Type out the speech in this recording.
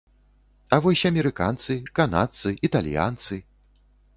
А вось амерыканцы, канадцы, італьянцы?